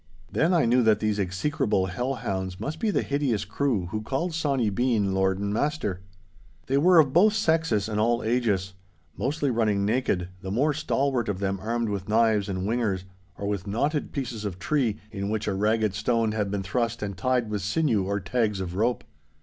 Then I knew that these execrable hell hounds must be the hideous crew who called Sawny Bean lord and master. They were of both sexes and all ages, mostly running naked, the more stalwart of them armed with knives and whingers, or with knotted pieces of tree in which a ragged stone had been thrust and tied with sinew or tags of rope.